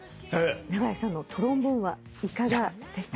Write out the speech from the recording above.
長屋さんのトロンボーンはいかがでしたか？